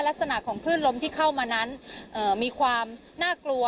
ลักษณะของคลื่นลมที่เข้ามานั้นมีความน่ากลัว